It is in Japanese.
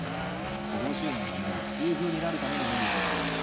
この週なんかもう痛風になるためのメニューってとこですよ。